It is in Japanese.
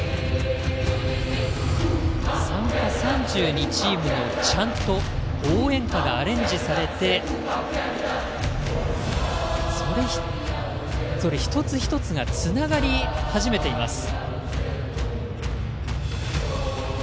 参加３２チームのチャント応援歌がアレンジされてそれぞれ一つ一つがつながり始めています。